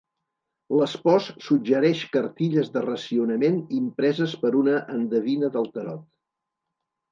L'espòs suggereix cartilles de racionament impreses per una endevina del tarot.